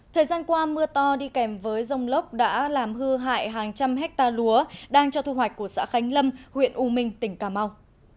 thời gian qua mưa to đi kèm với rông lốc đã làm hư hại hàng trăm hectare lúa đang cho thu hoạch của xã khánh lâm huyện u minh tỉnh cà mau